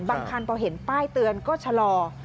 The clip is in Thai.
บางคันพอเห็นป้ายเตือนก็ชะลอ